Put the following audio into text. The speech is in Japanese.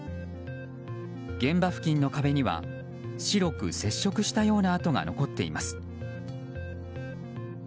現場付近の壁には白く接触したような跡が残っています。